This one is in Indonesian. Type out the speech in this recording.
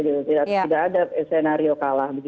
tidak ada senario kalah